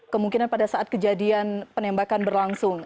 kemungkinan pada saat kejadian penembakan berlangsung